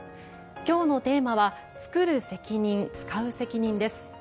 今日のテーマは「つくる責任つかう責任」です。